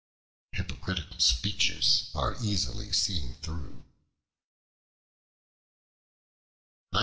Hypocritical speeches are easily seen through.